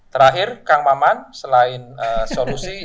terakhir kang maman selain solusi